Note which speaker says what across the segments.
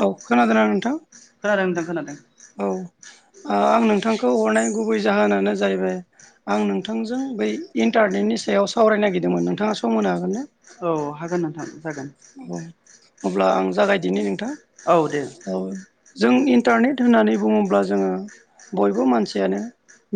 Speaker 1: औ खोनादों आ नोंथां
Speaker 2: खोनादों नोंथां खोनादों
Speaker 1: औ आं नोंथांखौ हरनाय गुबै जाहोनानो जाहैबाय आं नोंथांजों बै इन्टारनेटनि सायाव सावरायनो नागिरदोंमोन नोंथाङा सम होनो हागोन ना
Speaker 2: औ हागोन नोंथां जागोन
Speaker 1: औ अब्ला आं जागायदिनि नोंथां
Speaker 2: औ दे
Speaker 1: औ जों इन्टारनेट होननानै बुङोब्ला जोङो बयबो मानसियानो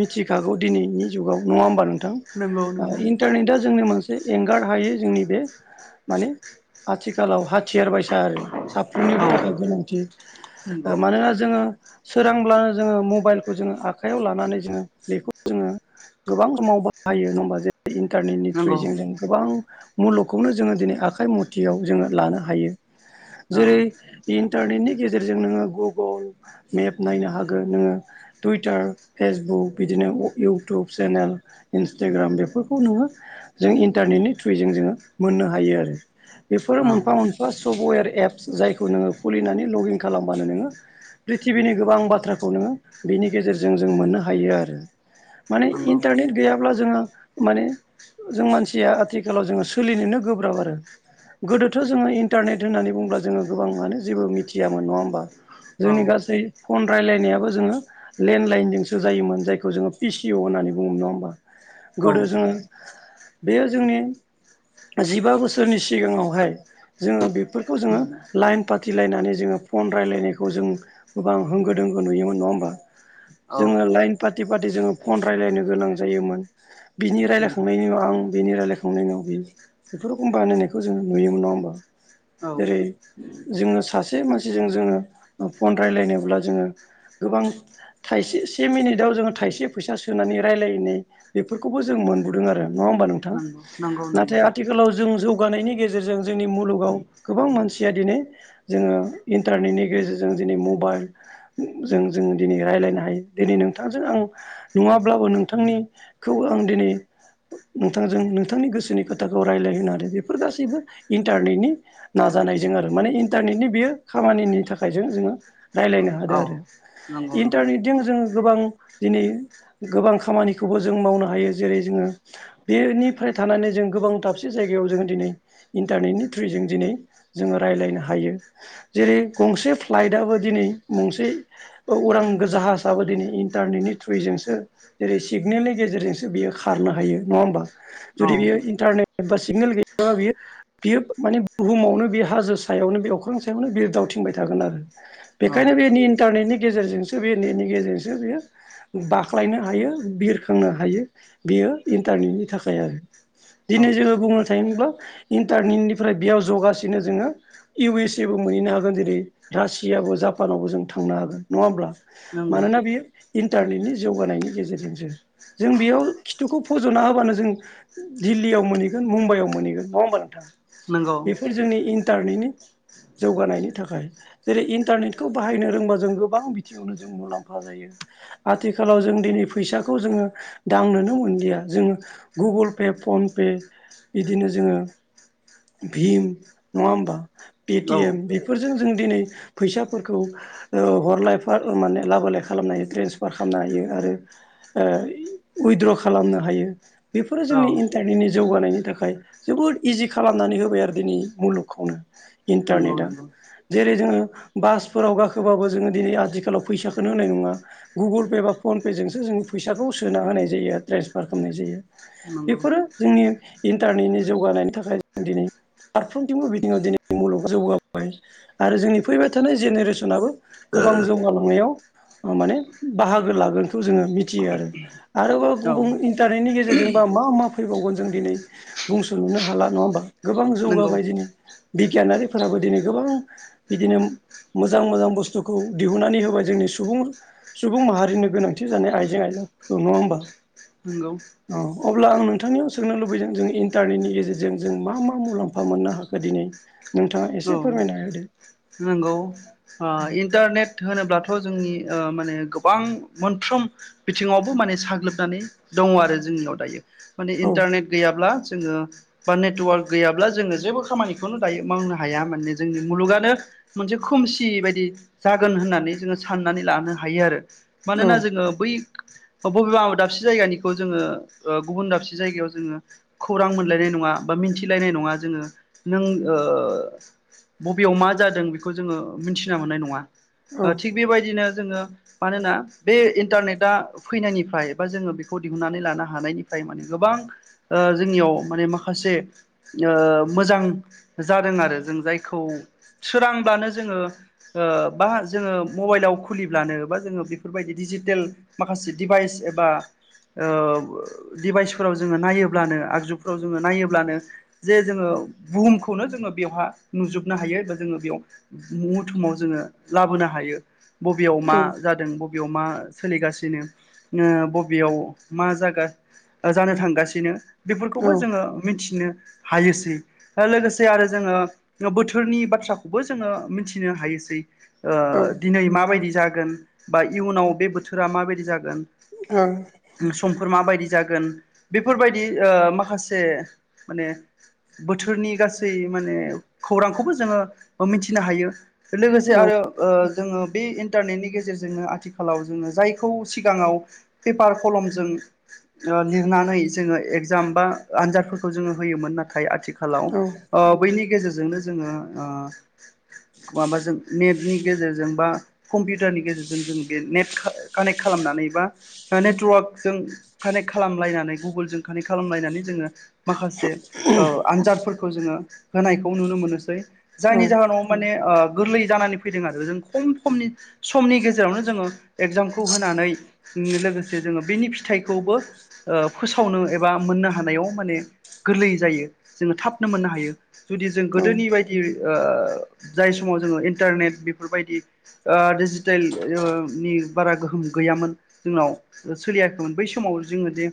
Speaker 1: मिथिखागौ दिनैनि जुगाव नङा होमबानो
Speaker 2: नंगौ
Speaker 1: नों
Speaker 2: नंगौ
Speaker 1: इन्टारनेटआ जोंनि मोनसे एंगार हायै जोंनि बे माने आथिखालाव हाथियार बबायसा आरो साफ्रोमनिबो
Speaker 2: औ
Speaker 1: थाखाय गोनांथि मानोना जोङो सोरांब्लानो जोङो मबाइलखौ जोङो आखाइयाव लानानै जोङो बेखौ जोङो गोबां समाव बाहायो नङ होमबा जे इन्टारनेटनि थ्रुय जों जों गोबां मुलुगखौनो जोङो दिनै आाइ आखाइ मुथियाव जोङो लानो हायो जेरै इन्टारनेटनि गेजेरजों नोङो गुगोल मेप नायनो हागोन नोङो टुइटार फेसबुक बिदिनो इउटुब चेनेल इन्सटाग्राम बेफोरखौ नोङो जों इन्टारनेटनि थ्रुयैजों जोङो मोननो हायो आरो बेफोरो
Speaker 2: नंगौ
Speaker 1: मोनफा मोनफा सफ्टवेर एप्स जायखौ नोङो खुलिनानै लगिन खालामबानो नोङो प्रिथिबिनि गोबां बाथ्राखौ नोङो बिनि गेजेरजों जों मोननो हायो आरो माने
Speaker 2: नंगौ औ नंगौ
Speaker 1: इन्टारनेट गैयाब्ला जोङो माने जों मानसिया आथिखालाव जोङो सोलिनोनो गोब्राब आरो गोदोथ' जोङो इन्टारनेट होननानै बुंङोब्ला जोङो गोबाङानो जेबो मिथियामोन नङा होमबा जोंनि
Speaker 2: औ
Speaker 1: गासै फन रायज्लायनायाबो जोङो लेन्डलाइनजोंसो जायोमोन जायखौ जोङो पिसिअ होननानै बुङोमोन नङा होमबा गोदो जोङो बेयो जोंनि जिबा बोसोर सोरनि सिगाङावहाय जोङो बेफोरखौ जोङो लाइन फाथिलायनानै जोङो फन रायज्लायनायखौ जों गोबां होंगो दोंगो नुयोम नङा होमबा
Speaker 2: औ
Speaker 1: जोङो लाइन पार्टि पार्टि जोङो फन रायज्लायनो गोनां जायोमोन बिनि
Speaker 2: नंगौ
Speaker 1: रायलायखांनायनिाव आं बिनि रायलायखांनायनि उाव बि एखम बानायनायखौ जों नङ होनोमबा
Speaker 2: औ
Speaker 1: जोङो सासे मानसिजों जोङो फन राय्लायनोब्ला जोङो गोबां थाइसे से मिनिटआव जोङो थाइसे फैसा सोनानै रायजलायनाय बेफोरखौबो जों मोनबोदों आरो नङा हबा नोंथां
Speaker 2: नंगौ नंगौ
Speaker 1: ना
Speaker 2: नंगौ नंगौ
Speaker 1: आथिालाव जों जौगानायनि गेजेरजों जोंनि मुलुगाव गोबां मानसिया दिनै जोङो इन्टारनेटनि गेजेरजों दिनै मबाइल जों जो दिनै रायज्लायनो हायो दिनै नोंथांजों आं नङाब्लाबो नोंथांनिखौबो आं दिनै नोंथांजों नोंथांनि गोसोनि खोथाखौ रायज्लाय होनोनो ह आरो बेफोर गासैबो इन्टारनेटनि नाजानायजों आरो माने इन्टारनेटनि बेयो खामानिनि थाखाय ज जोङो राय्लायनो
Speaker 2: औ
Speaker 1: हादों आरो
Speaker 2: नंगौ नंगौ
Speaker 1: इन्टारनेटजों जों गोबां दिनै गोबां खामानिखौबो जों मावनो हायो जेरै जोङो बेनिफ्राय थानानै जों गोबां थाब मोनसे जायगायाव जोङो दिनै इन्टारनेटनि थ्रुय जजों दिनै जोङो रायज्लायनो हायो जेरै गंसे फ्लाइटआबो दिनै गंसे उरां जाहाजाबबो दिनै इन्टारनेटनि थ्रुयजोंसो जेरै सिगनेलनि गेजेरजोंसो बियो खारनो हायो नङा होमबा
Speaker 2: औ
Speaker 1: जुदि बियो इन्टारनेट ब सिग्नेल ग ज बियो बियो माने बुहुमावनो बे हाजो सायावनो बे अख्रां सायावनो बियो दावथिंबाय थागोन आरो
Speaker 2: औ
Speaker 1: बेखायनो बेनि इन्टारनेटनि गेजेरजोंसो बे नेटनि गेजेरजोंसो बेयो बाख्लायनो हायो बिरखांनो हायो बेयो इन्टारनेटनि थाखाय आरो
Speaker 2: औ
Speaker 1: दिनै जोङो बुंनो थाङब्ला इन्टारनेटनिफ्राय बेयाव जगासिनो जोङो इउ एस एबो मोनहैनो हागोन जेरै रासियाबो जापानावबो जों थांनो हागोन नङा होमब्ला
Speaker 2: नंगौ
Speaker 1: मानोना बियो इन्टारनेटनि जौगानायनि गेजेरजोंसो जों बेयाव खिथुखौ फज'ना होबानो जों दिल्लीयाव मोनहैगोन मुम्बाइआव मोनहैगोन नङा होमबा नोंथां
Speaker 2: नंगौ
Speaker 1: बेफोर जोंनि इन्टारनेटनि जौगानायनि थाखाय जेरै इन्टारनेटखौ बाहायनो रोंबा जों गोबां बिथिङावनो जों मुलाम्फा जायो आथिखालाव जों दिनै फैसाखौ जोङो दांनोनो मोनलिया जोङो गुगोल पे फन पे बिदिनो जोङो भिम नङा होमबा
Speaker 2: औ
Speaker 1: पेटिएम बेफोरजों जों दिनै फैसाफोरखौ हरलायफ माने लाबोलाय खालामनो हायो ट्रेन्सफार खालामनो हायो आरो उइद्र' खालामनो हायो बेफोरो
Speaker 2: औ
Speaker 1: जोंनि इन्टारनेटनि जौगानायनि थाखाय जोबोद इजि खालामनानै होबाय आरो दिनै मुलुगखौनो
Speaker 2: नंगौ
Speaker 1: इन्टारनेटआ
Speaker 2: नंगौ
Speaker 1: जेरै जोङो बासफोराव गाखोबाबो जोङो दिनै आथिखालाव फैसाखौोनो होनाय नङा गुगोल पे बा फन पेजोंोंसो जोङो फैसाखौ सोना होनाय जायो ट्रेन्सफार खालामनाय जायो
Speaker 2: नंगौ
Speaker 1: बेफोरो जोंनि इन्टारनेटनि जौगानायनि थाखाय दिनै फारफ्रोमथिबो बिथिङाव दिनै मुलुग जौगाबाय आरो जोंनि फैबाय थानाय जेनेरेसनाबो गोबां जौगालांनायाव माने बाहागो लागोनखौ जोङो मिथियो आरो आरोबाव
Speaker 2: औ
Speaker 1: गुबुन इन्टारनेटनि गेजेरजोंबा मा मा फैबावगोन जों दिनै बुंस'नोननो हाला नङा होमबा गोबां
Speaker 2: नंगौ
Speaker 1: जौगाबाय दिनै बिगियानारिफोराबो दिनै गोबां बिदिनो मोजां मोजां बुस्थुखौ दिहुननानै होबाय जोंनि सुबुं सुबुं माहारिनि गोनांथि जानाय आइजें आयलाफोरखौ नङा होमबा
Speaker 2: नोंगौ
Speaker 1: औ अब्ला आं नोंथांनियाव सोंनो लुबैदों जों इन्टारनेटनि गेजेरजों जों मा मा मुलाम्फा मोननो हाखो दिनै नोंथाङा एसे
Speaker 2: औ
Speaker 1: फोरमायना होदो
Speaker 2: नंगौ ओ
Speaker 1: औ
Speaker 2: इन्टारनेट होनोब्लाथ' जोंनि ओ माने गोबां मोनफ्रोम बिथिङावबो माने साग्लोबनानै दङ आरो जोंनियाव दायो। माने
Speaker 1: औ
Speaker 2: इन्टारनेट गैयाब्ला जोङो बा नेटवार्क गैयाब्ला जोङो जेबो खामानिखौनो दायो मावनो हाया माने जोंनि मुलुगानो मोनसे खोमसि बायदि जागोन होननानै जोङो साननानै लानो हायो आरो। मानोना जोङो बै बबेबा आबादाबसे जायगानिखौ जोङो ओ गुबुन दाबसे जायगायाव जोङो खौरां मोनलायनाय नङा बा मिथिलायनाय नङा जोङो नों ओ बबेयाव मा जादों बेखौ जोङो मिथिना मोननाय नङा
Speaker 1: औ
Speaker 2: थिग बेबायदिनो जोङो मानोना बे इन्टारनेटआ फैनायनिफ्राय बा जोङो बेखौ दिहुननानै लानो हानायनिफ्राय माने गोबां जोंनियाव माने माखासे ओ मोजां जादों आरो जों जायखौ सोरांब्लानो जोङो ओ बा जोङो मबाइलाव खुलिब्लानो बा जोङो बेफोरबायदि डिजिटेल माखासे डिभाइस एबा ओ डिभाइसफोराव जोङो नायोब्लानो आगजुफ्राव जोङो नायोब्लानो जे जोङो बुहुमखौनो जोङो बेवहा नुजोबनो हायो। जोङो बेयाव मुथुमाव जोङो लाबोनो हायो बबेयाव मा
Speaker 1: औ
Speaker 2: जादों ब बेयाव मा सोलिगासिनो बबेयाव मा जागा ओ जानो थांगासिनो
Speaker 1: औ
Speaker 2: बेफोरखौबो
Speaker 1: ओं
Speaker 2: जोङो मिथिनो हायोसै लोगोसे आरो जोङो बोथोरनि बाथ्रा खौबो जोङो मिथिनो हायोसै
Speaker 1: औ
Speaker 2: ओ दिनै माबायदि जागोन। बा इयुनाव बे बोथोरा माबायदि जागोन।
Speaker 1: ओ
Speaker 2: समफोर माबायदि जागोन बेफोरबायदि ओ माखासे माने बोथोरनि गासै माने खौरांखौबो जोङो मिथिनो हायो लोगोसे
Speaker 1: औ
Speaker 2: आरो ओ जोङो बे इन्टारनेटनि गेजेरजोंनो आथिखालाव जोङो जायखौ सिगाङाव पेपार कलमजों ओ लिरनानै जोङो एगजाम बा आनजादफोरखौ जोङो होयोमोन नाथाय आथि खालाव
Speaker 1: औ
Speaker 2: ओ बैनि गेजेरजोंनो जोङो ओ माबाजों नेेटनि गेजेरजों बा कम्पिउटारनि गेजेरजों जों बे नेट का-कानेक्ट खालामनानै बा नेटवार्कजों कानेक्ट खालामलायनानै गुगोल जों कानेक्ट खालामलायनानै जोङो माखास से आनजादफोरखौ जोङो होनायखौ नुनो मोननोसै जायनि आव माने ओ गोरलै जानानै फैदों आरो जों खम-खमनि समनि गेजेरावनो जोङो एगजामखौ होनानै ओ लोगोसे जोङो बेनि फिथाइखौबो ओ फोसावनो एबा मोननो हानायाव माने गोरलै जायो जोङो थाबनो मोननो हायो जुदि जों गोदोनि बायदि ओ जाय समाव जोङो इन्टारनेट बेफोरबायदि ओ डिजिटेल ओ नि बारा गोहोम गैयामोन जोंनाव। सोलियाखैमोन बै समाव जोङो जे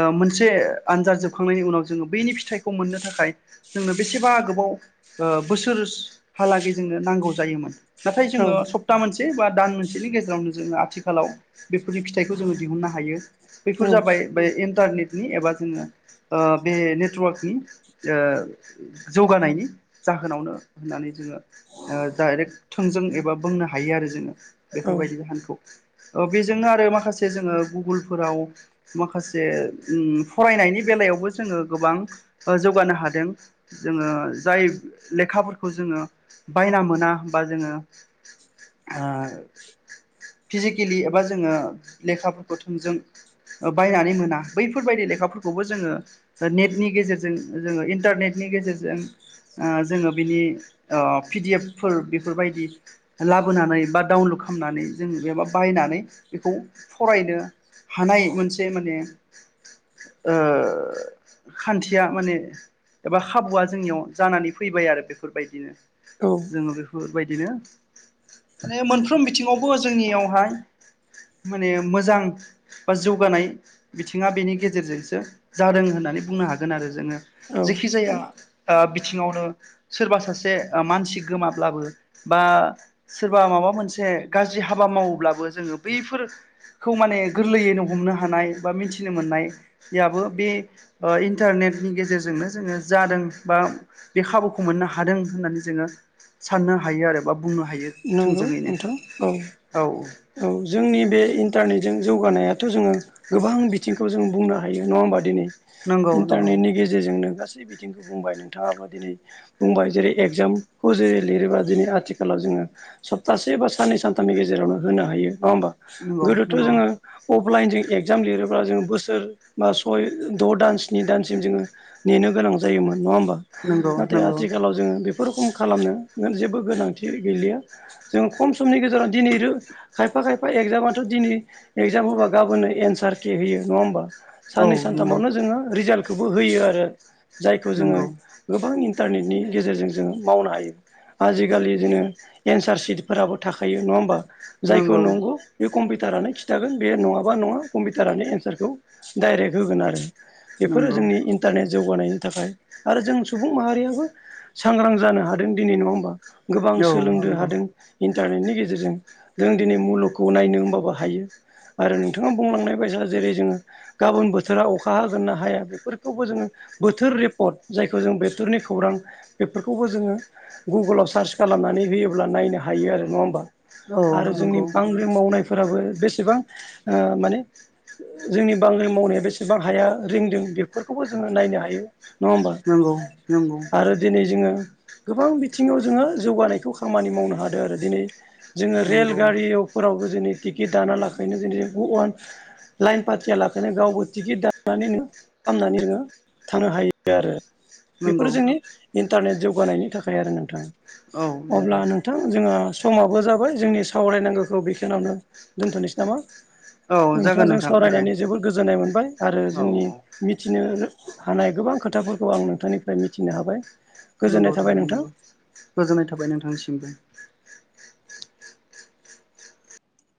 Speaker 2: ओ मोनसे आन्जाद जोबखांनायनि उनाव जों बैनि फिथाइखौ मोन्नो थाखाय जोंनो बेसेबा गोबाव ओ बोसोरसहालागै जोंनो नांगौ जायोमोन नाथाय जोङो सप ता मोनसे बा दान मोनसेनि गेजेरावनो जोङो आथिखालाव बेफोरनि फिथाइखौ जोङो दिहुननो हायो। बेफोर जाबाय बे इन्टारनेटनि एबा जोङो ओ बे नेटवार्कनि ओ जौगानायनि जाहोनावनो होननानै जोङो ओ डाइरेक्ट थोंजों एबा बुंनो हायो आरो जोङो।
Speaker 1: औ
Speaker 2: बेफोरबायदि जाहोनखौ बेजोंनो आरो माखासे जोङो गुगोलफोराव माखासे फरायनायनि बेलायावबो जोङो गोबां जौगानो हादों जोङो जाय लेखाफोरखौ जोङो बायना मोना बा जोङो ओ फिजिकेलि एबा जोङो लेखाफोरखौ थोंजों बायनानै मोना बैफोरबायदि लेखाफोरखौबो जोङो नेटनि गेजेरजों जोङो इन्टारनेटनि गेजेरजों जोङो बिनि पिडि एफ फोर बेफोरबायदि लाबोनानै बा डाउनलड खालामनानै जों एबा बायनानै बेखौ फरायनो हानाय मोनसे माने ओ खान्थिया माने एबा खाबुआ जोंनियाव जानानै फैबाय आरो बेफोरबायदिनो
Speaker 1: औ
Speaker 2: बेफोरबायदिनो माने मोनफ्रोम बिथिङावबो जोंनियावहाय माने मोजां बा जौगानाय बिथिङा बेनि गेजेरजोंसो जादों होननानै बुंनो हागोन आरो जोङो
Speaker 1: औ
Speaker 2: जिखि जाया बि थिङावनो सोरबा सासे मानसि गोमाब्लाबो बा सोरबा माबा मोनसे गाज्रि हाबा मावोब्लाबो जोङो बैफोर खौ माने गोरलैयैनो हमनो हानाय बा मिथिनो मोननाय याबो बे इन्टारनेटनि गेजेरजोंनो जोङो जादों बा बे खाबुखौ मोननो हादों होननानै जोङो साननो हायो आरो बा बुंनो हायो
Speaker 1: नंगौ
Speaker 2: थोंजोङैनो
Speaker 1: नोंथां औ
Speaker 2: औ
Speaker 1: औ जोंनि बे इन्टारनेटजों जौगानायाथ' जोङो गोबां बिथिंखौ जों बुंनो हायो नङा होमबा दिनै
Speaker 2: नंगौ नंगौ
Speaker 1: इन्टारनेटनि गेजेर जेजोंनो गासै बिथिंखौ बुंबाय नोंथाङाबो दिनै बुंबाय जेरै एगजामखौ जेरै लिरोबा दिनै आथिखालाव जोङो सप्तासे बा साननै सानथामनि गेजेरावनो होनो हायो नङा होमबा
Speaker 2: नंगौ
Speaker 1: गोदोथ'
Speaker 2: नंगौ
Speaker 1: जोङो अफलाइन जों एगजाम लिरोब्ला जोङो बोसोर बा सय द' दान स्नि दानसिम जोङो नेनो गोनां जायोमोन नङा होमबा
Speaker 2: नंगौ
Speaker 1: नाथाय
Speaker 2: नंगौ
Speaker 1: आथिखालाव जोङो बे बे रोखम खालामनो जेबो गोनांथि गैलिया जों खम समनि गेजेराव दिनै खायफा खायफा एगजामाथ' दिनै एगजाम होबा गाबोननो एन्सार खे होयो नङा होमबा
Speaker 2: औ
Speaker 1: साननै
Speaker 2: नंगौ
Speaker 1: सानथामावनो जोङो रिजाल्टखौबो होयो आरो जायखौ जोङो
Speaker 2: नंगौ
Speaker 1: गोबां इन्टारनेटनि गेजेरजों जोङो मावनो हायो आजिखालि जोङो एन्सार सिटफोराबो थाखायो नङा होमबा जायखौ नंगौ बे कम्पिउटारानो खिन्थागोन बे नङाबा नङा कम्पिउटारानो एन्सारखौ डाइरेक्ट होगोन आरो बेफोरो
Speaker 2: नंगौ
Speaker 1: जोंनि इन्टारनेट जौगानायनि थाखाय आरो जों सुबुं माहारियाबो सांग्रां जानो हादों दिनै नङा होमबा गोबां
Speaker 2: औ
Speaker 1: सोलोंनो
Speaker 2: नंगौ
Speaker 1: हादों इन्टारनेटनि गेजेरजों जों दिनै मुलुगखौ नायनो होमबाबो हायो आरो नोंथाङा बुंलांनाय बायसा जेरै जोङो गाबोन बोथोरा अखा हागोनना हाया बेफोरखौबो जोङो बोथोर रिपर्ट जायखौ जों बोथोरनि खौरां बेफोरखौबो जोङो। गुगोलाव सार्च खालामनानै होयोब्ला नायनो हायो आरो नङा होमबा।
Speaker 2: औ
Speaker 1: आरो जोंनि
Speaker 2: नंगौ
Speaker 1: बांग्रि मावनायफोराबो बेसेबां माने जोंनि बांग्रि मावनाया बेसेबां हाया रिंदों बेफोरखौबो जोङो नायनो हायो। नङा होमबा
Speaker 2: नंगौ नंगौ
Speaker 1: आरो दिनै जोङो। गोबां बिथिङाव जोङो जौगानायखौ खामानि मावनो हादों आरो दिनै जोङो
Speaker 2: नंगौ
Speaker 1: रेलगारियाव फोरावबो जोङो टिकेट दाना लाखैनो जों अवान लाइन पाथिया लाखनो गावबो टिकेट दानानैनो खालामनानै जोङो थानो हायो। आरो
Speaker 2: नंगौ
Speaker 1: बेफोरो जोंनि इन्टारनेट जौगानायनि थाखाय आरो नोंथाङा।
Speaker 2: औ नंगौ
Speaker 1: अब्ला नोंथां जोङो। समाबो जाबाय जोंनि सावरायनांगौखौ बेखिनावनो दोनथ'नोसै नामा।
Speaker 2: औ जागोन
Speaker 1: नोंथाजों
Speaker 2: नोंथां दे
Speaker 1: सावरायनानै जोबोर गोजोननाय मोनबाय आरो
Speaker 2: औ
Speaker 1: जोंनि मिथिनो हानाय गोबां खोथाफोरखौ आं नोंथांनिफ्राय मिथिनो हाबाय।
Speaker 2: नंगौ
Speaker 1: गोजोननाय थाबाय
Speaker 2: थारैनो
Speaker 1: नोंथां।
Speaker 2: नंगौ गोजोननाय थाबाय नोंथांनिसिमबो।